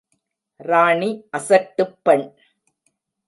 ராணி, அசட்டுப் பெண்!